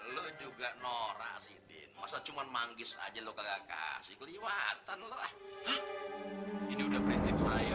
lu juga norak sih din masa cuma manggis aja lo kagak kasih keliwatan lo ini udah prinsip saya